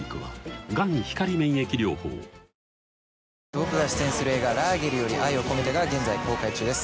僕が出演する映画『ラーゲリより愛を込めて』が現在公開中です。